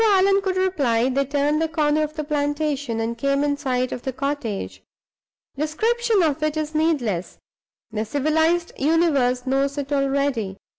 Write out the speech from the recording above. Before Allan could reply, they turned the corner of the plantation, and came in sight of the cottage. Description of it is needless; the civilized universe knows it already.